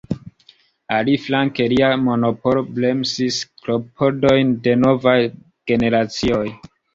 Aliflanke lia monopolo bremsis klopodojn de novaj generacioj.